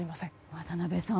渡辺さん